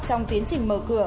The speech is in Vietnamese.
trong tiến trình mở cửa